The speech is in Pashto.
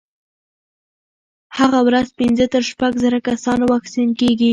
هره ورځ پنځه تر شپږ زره کسانو واکسین کېږي.